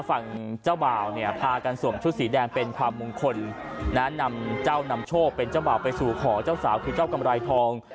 ฝั่งเจ้าบ่าวเนี่ยพากันสวมชุดสีแดงเป็นความมงคลนะนำเจ้านำโชคเป็นเจ้าบ่าวไปสู่ขอเจ้าสาวคือเจ้ากำไรทอง